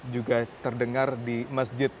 juga terdengar di masjid